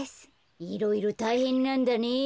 いろいろたいへんなんだね。